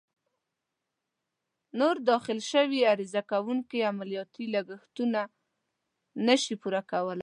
نوي داخل شوي عرضه کوونکې عملیاتي لګښتونه نه شي پوره کولای.